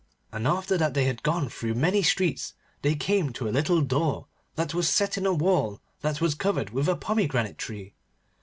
And after that they had gone through many streets they came to a little door that was set in a wall that was covered with a pomegranate tree.